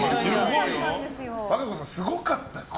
和歌子さんすごかったですよね。